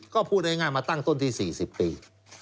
ก็พูดง่ายมาตั้งต้นที่๔๐ปี